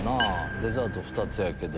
デザート２つやけど。